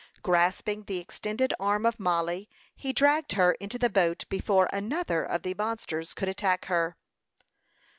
Grasping the extended arm of Mollie, he dragged her into the boat before another of the monsters could attack her.